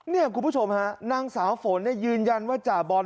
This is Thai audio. คุณผู้ชมฮะนางสาวฝนยืนยันว่าจ่าบอล